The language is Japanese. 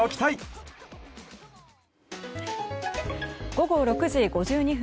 午後６時５２分。